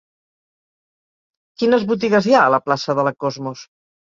Quines botigues hi ha a la plaça de la Cosmos?